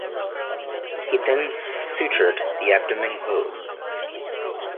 He then sutured the abdomen closed.